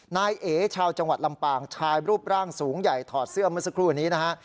นายเอชาวจังหวัดลำปางชายรูปร่างสูงใหญ่ถอดเสื้อเมื่อสักครู่นี้นะฮะ